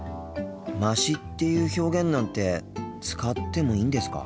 「まし」っていう表現なんて使ってもいいんですか？